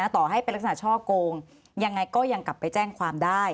ต่อให้เป็นลักษณะช่อโกงยังไงก็ยังกลับไปแจ้งความได้